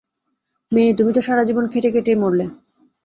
মেয়ে, তুমি তো সারাজীবন খেটে খেটেই মরলে।